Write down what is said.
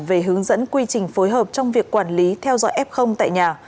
về hướng dẫn quy trình phối hợp trong việc quản lý theo dõi f tại nhà